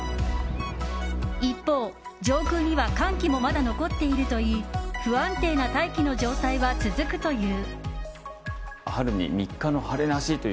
一方、上空には寒気もまだ残っているといい不安定な大気の状態は続くという。